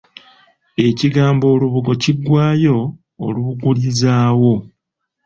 Ekigambo olubugo kiggwaayo Olubugirizaawo.